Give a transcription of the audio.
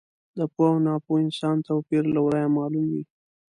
د پوه او ناپوه انسان توپیر له ورایه معلوم وي.